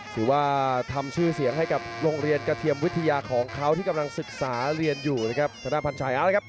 ถือว่าทำชื่อเสียงให้กับโรงเรียนกระเทียมวิทยาของเขาที่กำลังศึกษาเรียนอยู่นะครับธนพันชายเอาละครับ